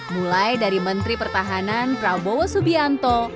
mulai dari menteri pertahanan prabowo subianto